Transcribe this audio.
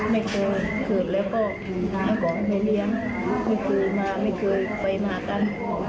ไม่เคยเกิดแล้วก็ไม่เลี้ยงไม่เคยมาไม่เคยไปมากัน